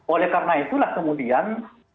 oleh karena itulah kemudian